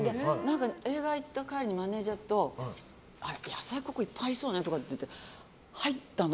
映画行った帰りにマネジャーと野菜、ここいっぱいありそうねって言って入ったの。